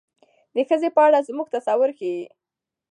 د ښځې په اړه زموږ تصور ښيي.